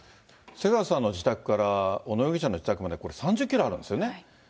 瀬川さんの自宅から小野容疑者の自宅までこれ、３０キロあるんですよね。